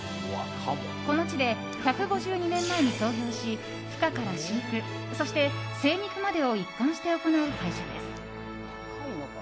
この地で１５２年前に創業しふ化から飼育、そして精肉までを一貫して行う会社です。